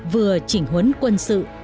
vừa chỉnh huấn quân sự